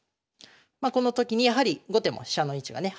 まあこの時にやはり後手も飛車の位置がね